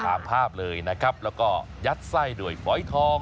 ตามภาพเลยนะครับแล้วก็ยัดไส้ด้วยฝอยทอง